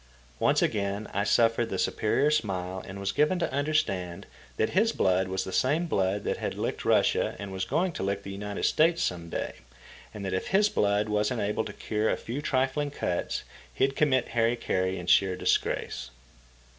Once again I suffered the superior smile and was given to understand that his blood was the same blood that had licked Russia and was going to lick the United States some day, and that if his blood wasn't able to cure a few trifling cuts, he'd commit hari kari in sheer disgrace.